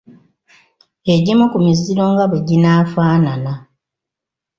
Egimu ku miziro nga bwe ginaafaanana.